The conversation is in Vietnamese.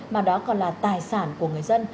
mà đó còn là tài sản của người dân